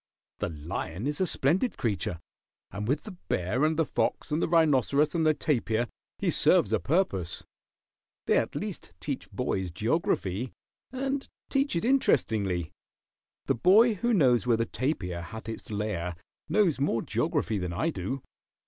The lion is a splendid creature, and with the bear and the fox and the rhinoceros and the tapir he serves a purpose. They at least teach boys geography, and teach it interestingly. The boy who knows where the tapir hath its lair knows more geography than I do.